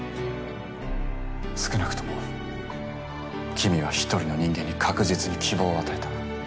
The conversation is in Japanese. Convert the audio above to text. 少なくとも君は１人の人間に確実に希望を与えた。